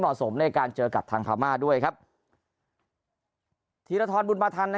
สมในการเจอกับทางพม่าด้วยครับธีรทรบุญมาทัน